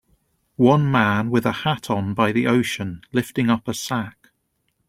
One man with a hat on by the ocean, lifting up a sac.